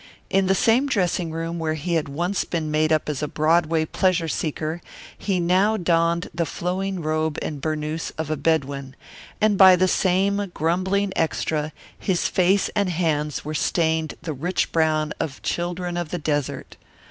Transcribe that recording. In the same dressing room where he had once been made up as a Broadway pleasure seeker he now donned the flowing robe and burnoose of a Bedouin, and by the same grumbling extra his face and hands were stained the rich brown of children of the desert.